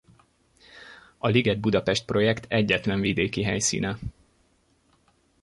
A Liget Budapest projekt egyetlen vidéki helyszíne.